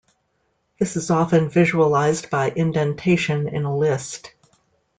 This is often visualized by indentation in a list.